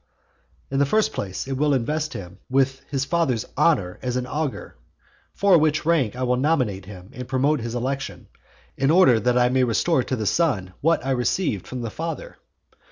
In the first place, it will invest him with his father's honour as an augur, for which rank I will nominate him and promote his election, in order that I may restore to the son what I received from the father.